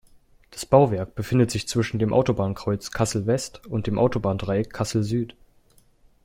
Das Bauwerk befindet sich zwischen dem Autobahnkreuz Kassel-West und dem Autobahndreieck Kassel-Süd.